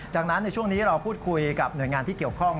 ดังนั้นในช่วงนี้เราพูดคุยกับหน่วยงานที่เกี่ยวข้อง